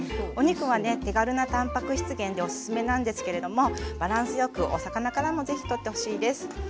お肉はね手軽なたんぱく質源でおすすめなんですけれどもバランスよくお魚からも是非とってほしいです。